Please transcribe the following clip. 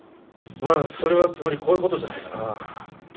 まあそれはつまりこういう事じゃないかな。